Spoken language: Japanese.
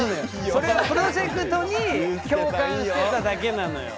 それはプロジェクトに共感してただけなのよ。